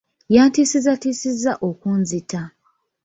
Yantiisatiisizza okunzita.